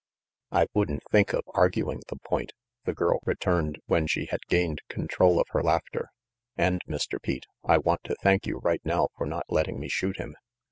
"I wouldn't think of arguing the point," the girl returned when she had gained control of her laughter, "and, Mr, Pete, I want to thank you right now for not letting me shoot him."